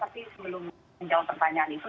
tapi sebelum menjawab pertanyaan itu